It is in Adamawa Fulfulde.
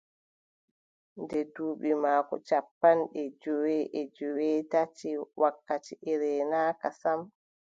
Nde duuɓi maako cappanɗe jowi e joweetati, wakkati e reenaaka sam,